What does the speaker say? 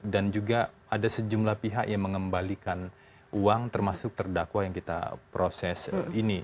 dan juga ada sejumlah pihak yang mengembalikan uang termasuk terdakwa yang kita proses ini